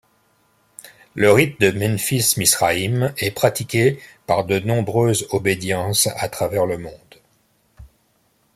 Le Rite de Memphis-Misraïm est pratiqué par de nombreuses obédiences à travers le monde.